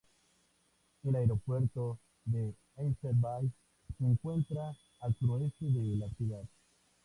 El aeropuerto de Easter Bay se encuentra al sureste de la ciudad.